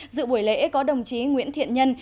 dự buổi lễ có đồng chí nguyễn thiện nhân